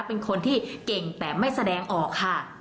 เป็นคนที่เก่งแต่ไม่แสดงออกค่ะ